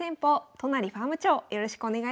都成ファーム長よろしくお願いします。